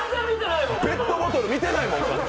ペットボトル見てないもん。